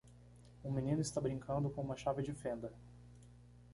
Um menino está brincando com uma chave de fenda.